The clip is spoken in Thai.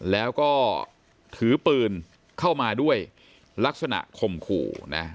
แล้วก็ถือปืนเข้ามาด้วยลักษณะข่มขู่นะ